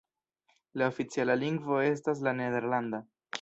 La oficiala lingvo estas la nederlanda.